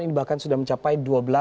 ini bahkan sudah mencapai dua belas